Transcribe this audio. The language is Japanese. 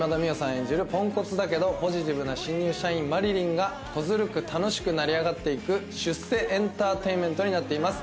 演じるポンコツだけどポジティブな新入社員、麻理鈴がこずるく楽しく成り上がっていく、出世エンターテインメントになっております。